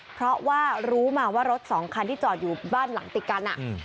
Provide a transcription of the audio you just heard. เพราะว่ารู้มาว่ารถสองคันที่จอดอยู่บ้านหลังติดกัน